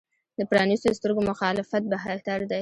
د پرانیستو سترګو مخالفت بهتر دی.